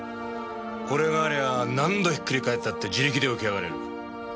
これがありゃ何度ひっくり返ったって自力で起き上がれる。